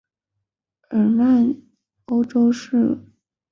日耳曼欧洲是今日使用着日耳曼语言的欧洲地区。